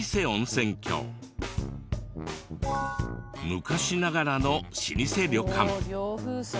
昔ながらの老舗旅館。